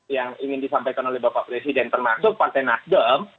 yang ingin disampaikan oleh bapak presiden termasuk partai nasdem